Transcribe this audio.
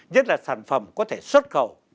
nhất là sản phẩm có thể xuất khẩu